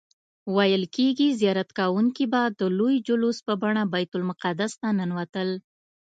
ویل کیږي زیارت کوونکي به د لوی جلوس په بڼه بیت المقدس ته ننوتل.